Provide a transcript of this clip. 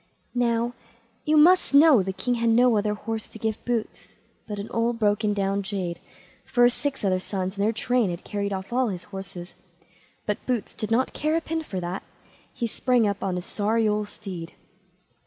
Now, you must know the king had no other horse to give Boots but an old broken down jade, for his six other sons and their train had carried off all his horses; but Boots did not care a pin for that, he sprang up on his sorry old steed.